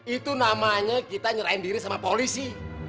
itu namanya kita nyerahin diri sama polisi